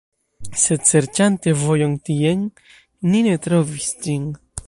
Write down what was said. Sed serĉante vojon tien, ni ne trovis ĝin.